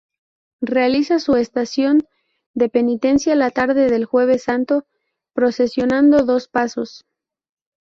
Realiza su estación de penitencia la tarde del Jueves Santo, procesionando dos pasos.